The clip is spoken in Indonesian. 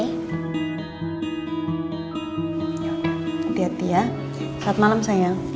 hati hati ya selamat malam sayang